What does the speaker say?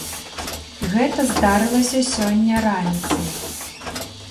Гэта здарылася сёння раніцай.